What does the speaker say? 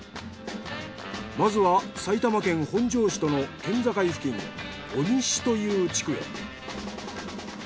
まずは埼玉県本庄市との県境付近鬼石という地区へ。